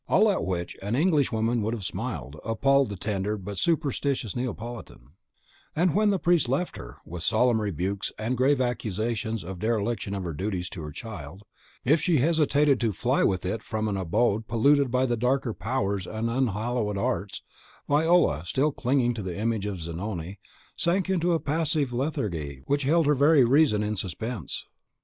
All at which an English woman would have smiled, appalled the tender but superstitious Neapolitan; and when the priest left her, with solemn rebukes and grave accusations of a dereliction of her duties to her child, if she hesitated to fly with it from an abode polluted by the darker powers and unhallowed arts, Viola, still clinging to the image of Zanoni, sank into a passive lethargy which held her very reason in suspense.